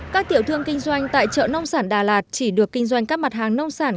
các tiểu thương kinh doanh tại chợ nông sản đà lạt chỉ được kinh doanh các mặt hàng nông sản